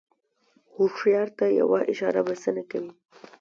هوښیار ته یوه اشاره بسنه کوي.